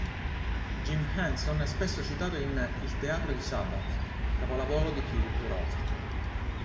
Jim Henson è spesso citato in Il teatro di Sabbath, capolavoro di Philip Roth.